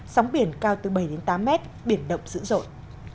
sóng biển cao từ bảy đến tám mét biển động dữ dội